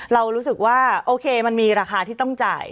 เรารู้สึกว่าโอเคมันมีราคาที่ต้องจ่าย